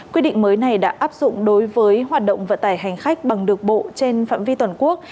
quy định mới này đã áp dụng đối với hoạt động vận tải hành khách bằng đường bộ trên phạm vi toàn quốc